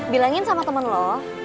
bilangin sama temen lo